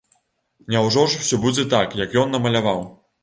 Няўжо ж усё будзе так, як ён намаляваў?